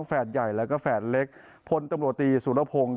แฝดใหญ่แล้วก็แฝดเล็กพลตำรวจตีสุรพงศ์